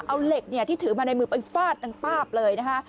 เอาเหล็กที่ถือมาในมือไปฟาดนางป้าบเลยนะคะ